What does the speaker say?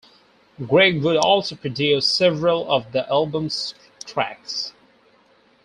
Gregg would also produce several of the album's tracks.